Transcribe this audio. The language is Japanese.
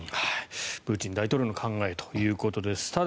プーチン大統領の考えということです。